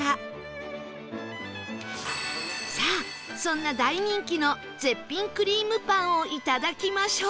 さあそんな大人気の絶品くりぃむパンをいただきましょう